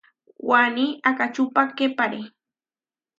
Waní akačupakepare.